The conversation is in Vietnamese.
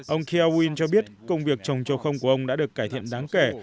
ông keowin cho biết công việc trồng trầu không của ông đã được cải thiện đáng kể